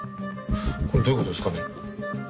これどういう事ですかね？